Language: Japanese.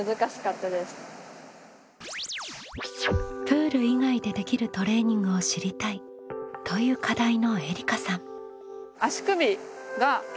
「プール以外でできるトレーニングを知りたい」という課題のえりかさん。